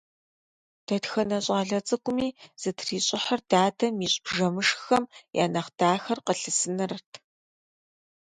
Дэтхэнэ щӀалэ цӀыкӀуми зытрищӀыхьыр дадэм ищӀ бжэмышххэм я нэхъ дахэр къылъысынырт.